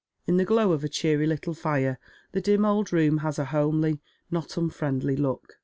In the glow of a cheeiy little fire the dim old room has a homely, not unfriendly look.